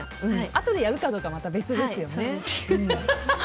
あとでやるかどうかは別ですよね。